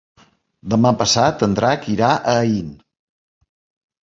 Demà passat en Drac irà a Aín.